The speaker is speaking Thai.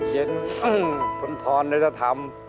เย็นทุนทรนด้วยจะทำ